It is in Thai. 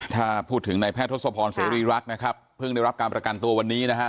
ถ้าพูดถึงในแพทย์ทศพรเสรีรักษ์นะครับเพิ่งได้รับการประกันตัววันนี้นะฮะ